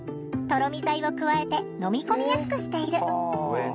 とろみ剤を加えて飲み込みやすくしている。